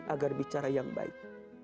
agar bicara yang baik